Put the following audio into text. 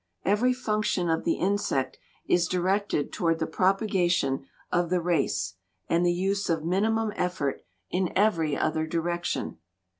Every function of the insect is directed toward the propagation of the race and the use of minimum effort in every other direction.